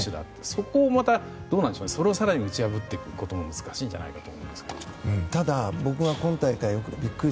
そこもまたその世代を打ち破っていくことは難しいんじゃないかと。